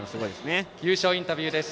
放送席、優勝インタビューです。